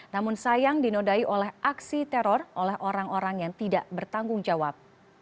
namun sayang dinodai oleh aksi teror oleh orang orang yang tidak bertanggung jawab